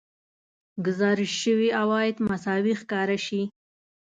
ګزارش شوي عواید مساوي ښکاره شي